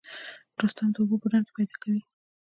رستم د اوبو په ډنډ کې پیدا کوي.